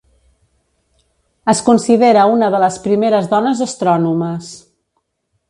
Es considera una de les primeres dones astrònomes.